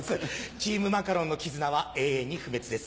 チームマカロンの絆は永遠に不滅です